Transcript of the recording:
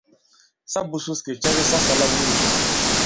Sa būsūs kì cɛ ki sa sālā iwu nīk.